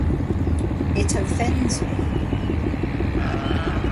It offends me.